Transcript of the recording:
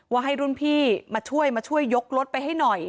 ให้รุ่นพี่มาช่วยมาช่วยยกรถไปให้หน่อย